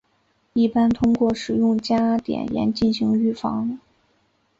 一般通过使用加碘盐进行预防。